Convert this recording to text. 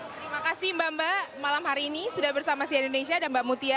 terima kasih mbak mbak malam hari ini sudah bersama sian indonesia dan mbak mutia